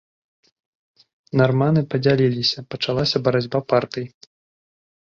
Нарманы падзяліліся, пачалася барацьба партый.